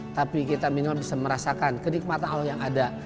tapi kita minimal bisa merasakan kenikmatan allah yang ada